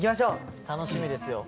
楽しみですよ。